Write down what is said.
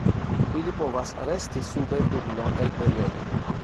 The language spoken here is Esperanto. Ili povas resti sube dum longaj periodoj.